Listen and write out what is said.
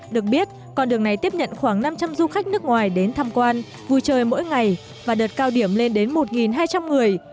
được biết con đường này tiếp nhận khoảng năm trăm linh du khách nước ngoài đến tham quan vui chơi mỗi ngày và đợt cao điểm lên đến một hai trăm linh người